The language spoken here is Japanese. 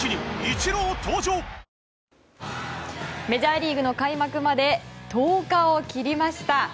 メジャーリーグの開幕まで１０日を切りました。